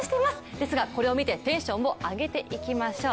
ですが、これを見てテンションを上げていきましょう！